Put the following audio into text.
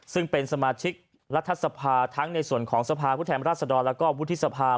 ซึ่งเป็นสมาชิกรัฐสภาทั้งในส่วนของสภาพุทธแถมราษฎรและวุทธิสภา